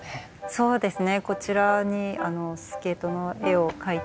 そうですね